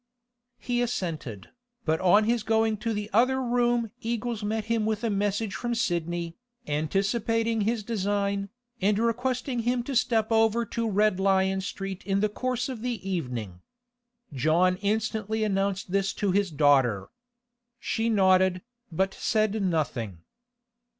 He assented. But on his going into the other room Eagles met him with a message from Sidney, anticipating his design, and requesting him to step over to Red Lion Street in the course of the evening. John instantly announced this to his daughter. She nodded, but said nothing.